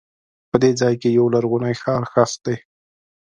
په دې ځای کې یو لرغونی ښار ښخ دی.